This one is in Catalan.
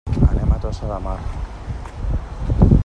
Anem a Tossa de Mar.